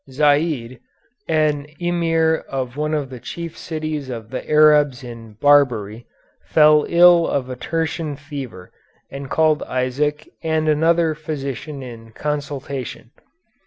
Zeid, an Emir of one of the chief cities of the Arabs in Barbary, fell ill of a tertian fever and called Isaac and another physician in consultation.